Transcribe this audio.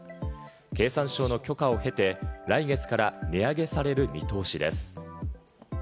経産省の許可を経て、来月から値上げされる見通しです。